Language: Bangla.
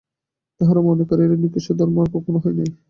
তাহারা মনে করে, এরূপ নিকৃষ্ট ধর্ম আর কখনও হয় নাই।